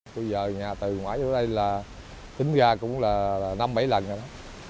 tôi về nhà từ ngoãi vô đây là tính ra cũng là năm bảy lần rồi đó